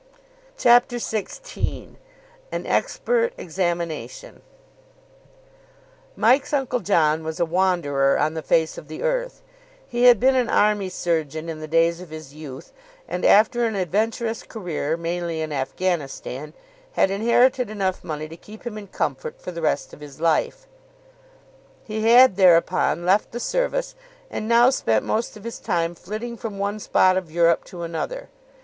CHAPTER XVI AN EXPERT EXAMINATION Mike's Uncle John was a wanderer on the face of the earth. He had been an army surgeon in the days of his youth, and, after an adventurous career, mainly in Afghanistan, had inherited enough money to keep him in comfort for the rest of his life. He had thereupon left the service, and now spent most of his time flitting from one spot of Europe to another.